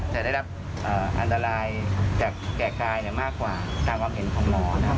จะได้รับอันตรายจากแก่กายมากกว่าตามความเห็นของหมอนะครับ